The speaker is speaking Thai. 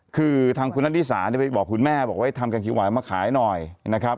คือทางคุณนัทธิสาเนี่ยไปบอกคุณแม่บอกว่าทำกางเขียวหวานมาขายหน่อยนะครับ